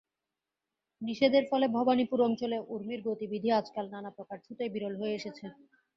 নিষেধের ফলে ভবানীপুর অঞ্চলে ঊর্মির গতিবিধি আজকাল নানাপ্রকার ছুতোয় বিরল হয়ে এসেছে।